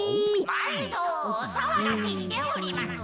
・「まいどおさわがせしております。